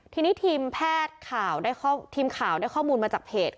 ทีนี้ทีมแพทย์ข่าวได้ข้อมูลมาจากเพจ